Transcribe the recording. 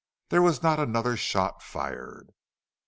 There was not another shot fired.